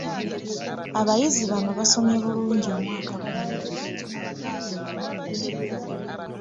Abayizi bano basomye bulungi omwaka guno.